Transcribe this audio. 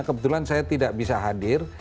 kebetulan saya tidak bisa hadir